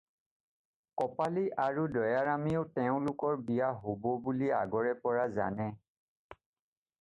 কপালী আৰু দয়াৰামেও তেওঁলোকৰ বিয়া হ'ব বুলি আগৰে পৰা জানে।